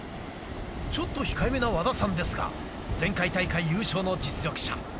ちょっと控えめな和田さんですが前回大会優勝の実力者。